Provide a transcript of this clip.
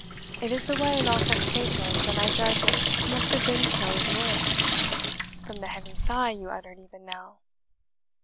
"It is the way in all such cases; and I judge it must have been so in your instance, from the heavy sigh you uttered even now."